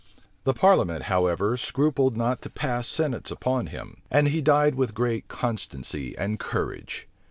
The parliament, however, scrupled not to pass sentence upon him; and he died with great constancy and courage.